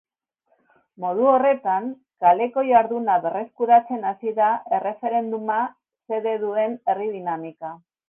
Modu horretan, kaleko jarduna berreskuratzen hasi da erreferenduma xede duen herri dinamika.